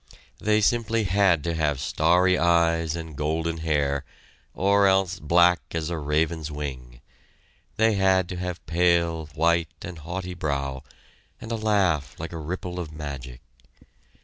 They simply had to have starry eyes and golden hair, or else black as a raven's wing; they had to have pale, white, and haughty brow, and a laugh like a ripple of magic.